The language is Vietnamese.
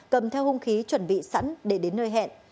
cầm theo hung khí chuẩn bị sẵn để đến nơi hẹn